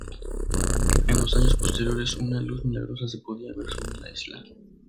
En los años posteriores una luz milagrosa se podía ver sobre la isla.